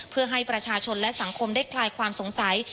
เพื่อให้ประชาชนและสังคมได้คลายความสงสัย